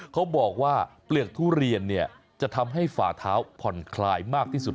เขาบอกว่าเปลือกทุเรียนเนี่ยจะทำให้ฝ่าเท้าผ่อนคลายมากที่สุด